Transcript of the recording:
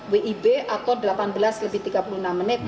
wib atau delapan belas lebih tiga puluh enam menit